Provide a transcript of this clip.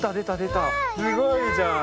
すごいじゃん。